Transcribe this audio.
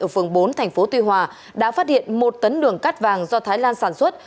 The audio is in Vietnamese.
ở phường bốn tp tuy hòa đã phát hiện một tấn đường cát vàng do thái lan sản xuất